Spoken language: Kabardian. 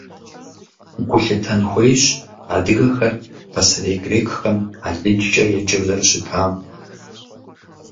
Гу лъытэн хуейщ адыгэхэр пасэрей грекхэм алыджкӀэ еджэу зэрыщытам.